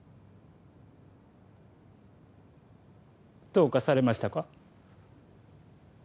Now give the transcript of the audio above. どうかされましたか？